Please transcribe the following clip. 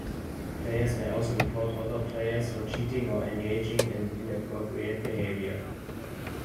Players may also report other players for cheating or engaging in inappropriate behavior.